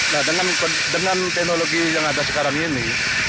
nah dengan teknologi yang ada sekarang ini